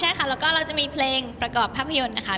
ใช่ค่ะแล้วก็เราจะมีเพลงประกอบภาพยนตร์นะคะ